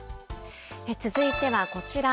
続いてはこちら。